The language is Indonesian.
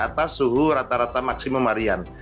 jadi itu adalah suhu rata rata maksimum harian